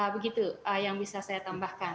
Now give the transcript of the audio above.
begitu yang bisa saya tambahkan